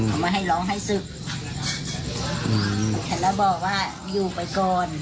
เอามาให้ร้องให้ศึกเห็นแล้วบอกว่าอยู่ไปก่อน